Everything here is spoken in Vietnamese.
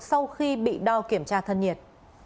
sau khi bị đo kiểm tra thân nhiệt